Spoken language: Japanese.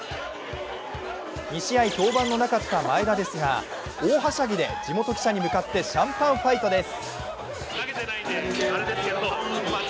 ２試合、登板のなかった前田ですが大はしゃぎで地元記者に向かってシャンパンファイトです。